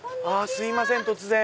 すいません突然。